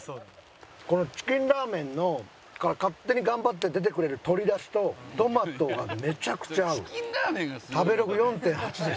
このチキンラーメンから勝手に頑張って出てくれる鶏だしとトマトがめちゃくちゃ合う。